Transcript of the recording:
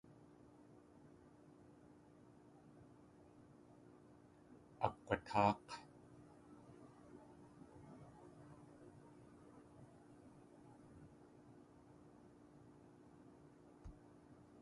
Akg̲watáak̲.